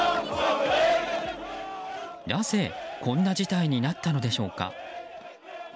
なぜ、こんな事態になったのでしょうか。